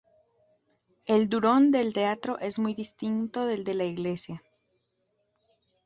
El Durón del Teatro es muy distinto del de la Iglesia.